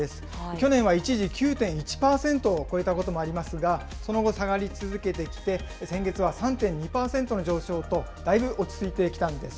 去年は一時、９．１％を超えたこともありますが、その後下がり続けてきて、先月は３．２％の上昇と、だいぶ落ち着いてきたんです。